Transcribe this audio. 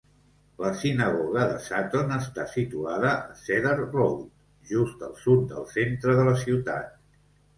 La sinagoga de Sutton està situada a Cedar Road, just al sud del centre de la ciutat.